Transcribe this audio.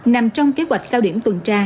nằm trong kế hoạch cao điểm tuần tra